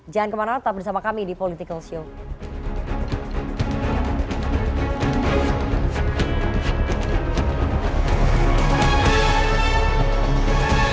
jangan kemana mana tetap bersama kami di political show